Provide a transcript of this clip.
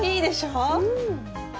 うん。